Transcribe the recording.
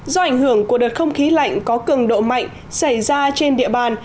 do ảnh hưởng của đợt không khí lạnh có cường độ mạnh xảy ra trên địa bàn